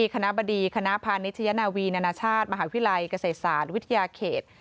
คณะบดีคณะพานิชยนาวีนานาชาติมหาวิทยาลัยเกษตรศาสตร์วิทยาเขต